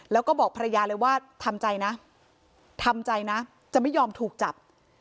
แล้วก็บอกภรรยาเลยว่าทำใจนะทำใจนะจะไม่ยอมถูกจับ